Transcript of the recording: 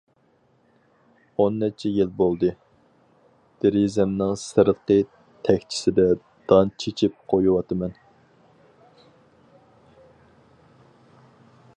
ئون نەچچە يىل بولدى، دېرىزەمنىڭ سىرتقى تەكچىسىگە دان چېچىپ قويۇۋاتىمەن.